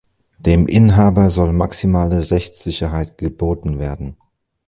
Dem Inhaber soll "maximale" Rechtssicherheit geboten werden.